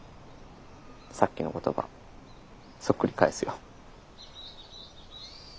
さっきの言葉そっくり返すよ。